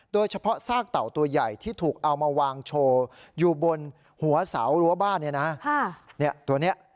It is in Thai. ซากเต่าตัวใหญ่ที่ถูกเอามาวางโชว์อยู่บนหัวเสารั้วบ้านเนี่ยนะตัวนี้